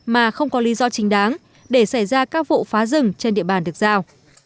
mà không có lý do chính đáng để xảy ra các vụ phá rừng trên địa bàn được giao